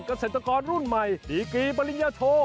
เกษตรกรรุ่นใหม่ดีกีปริญญาโท